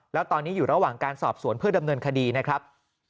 แล้วตอนนี้อยู่ระหว่างการสอบสวนเพื่อดำเนินคดีนะครับ